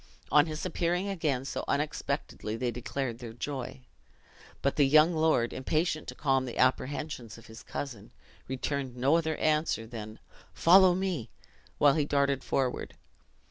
On his appearing again so unexpectedly, they declared their joy; but the young lord, impatient to calm the apprehensions of his cousin, returned no other answer than "Follow me!" while he darted forward.